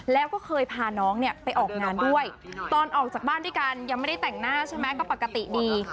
แล้วก็เคยพาน้องเนี่ยไปออกงานด้วยตอนออกจากบ้านด้วยกันยังไม่ได้แต่งหน้าใช่ไหมก็ปกติดี